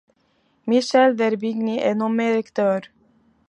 Michel d'Herbigny est nommé recteur.